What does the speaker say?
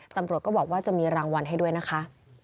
ตำรวจก็บอกว่าจะมีรางวัลให้ด้วยนะคะ